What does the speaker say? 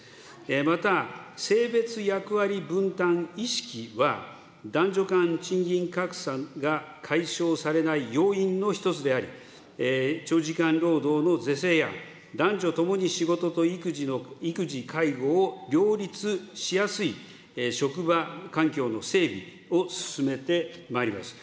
また、性別役割分担意識は、男女間賃金格差が解消されない要因の１つであり、長時間労働の是正や、男女共に仕事と育児、介護を両立しやすい、職場環境の整備を進めてまいります。